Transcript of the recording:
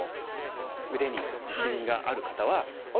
腕に自信がある方はあれ？